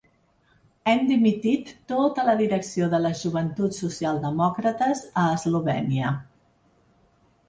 Hem dimitit tota la direcció de les joventuts socialdemòcrates a Eslovènia.